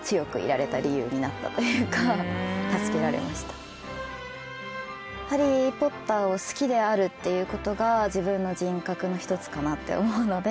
自分の中で「ハリー・ポッター」を好きであるっていうことが自分の人格の一つかなって思うので。